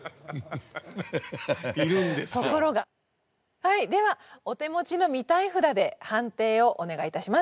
はいではお手持ちの「見たい札」で判定をお願いいたします。